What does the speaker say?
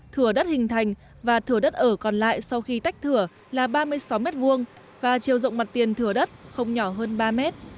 thửa đất hình thành và thửa đất ở còn lại sau khi tách thửa là ba mươi sáu m hai và chiều rộng mặt tiền thừa đất không nhỏ hơn ba mét